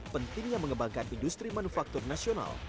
pentingnya mengembangkan industri manufaktur nasional